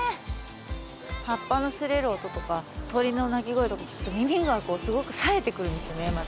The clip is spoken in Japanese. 葉っぱの擦れる音とか鳥の鳴き声とか聞くと耳がすごくさえてくるんですよねまた。